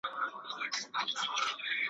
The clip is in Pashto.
د عقل لاري تر منزله رسېدلي نه دي `